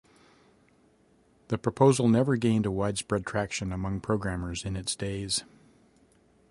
The proposal never gained a widespread traction among programmers in its days.